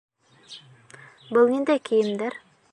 Был ниндәй кейемдәр?